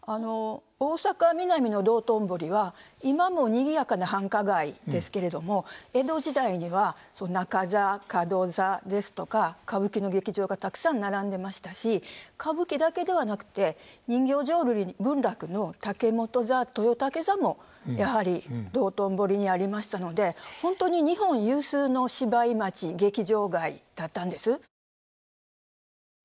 大阪ミナミの道頓堀は今もにぎやかな繁華街ですけれども江戸時代には中座角座ですとか歌舞伎の劇場がたくさん並んでましたし歌舞伎だけではなくて人形浄瑠璃文楽の竹本座豊竹座もやはり道頓堀にありましたので本当に日本有数の芝居町劇場街だったんです。